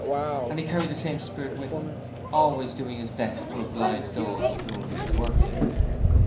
And he carried the same spirit with him, always doing his best to oblige those with whom he was working.